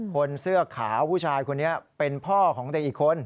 คนเสื้อขาวผู้ชายคนนี้เป็นพ่อของเด็กอีกคน